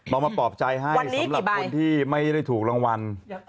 ลองมาปอบใจให้สำหรับคนที่ไม่ได้ถูกรางวัลวันนี้กี่ใบ